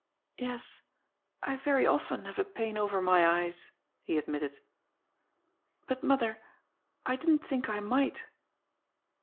" Yes, I very often have a pain over my eyes," he ad mitted ;" but, mother, I didn't think I might."